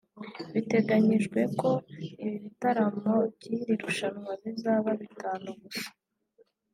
Biteganyijwe ko ibitaramo by’iri rushanwa bizaba bitanu gusa